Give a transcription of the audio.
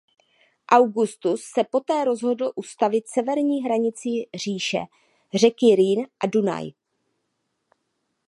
Augustus se poté rozhodl ustavit severní hranicí říše řeky Rýn a Dunaj.